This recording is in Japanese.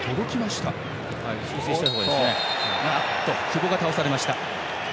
久保が倒されました。